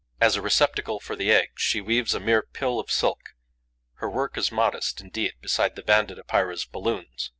As a receptacle for the eggs, she weaves a mere pill of silk. Her work is modest indeed beside the Banded Epeira's balloons.